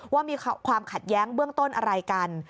ว่ามีความขัดแย้งเบื้องต้นอะไรกัน